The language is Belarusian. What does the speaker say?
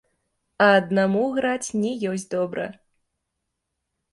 А аднаму граць не ёсць добра.